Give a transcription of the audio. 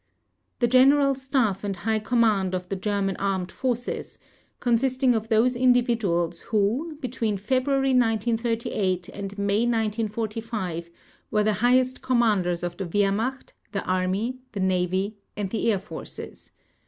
The General Staff and High Command of the German Armed Forces, consisting of those individuals who between February 1938 and May 1945 were the highest commanders of the Wehrmacht, the Army, the Navy, and the Air Forces.